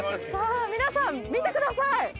さあ皆さん見てください。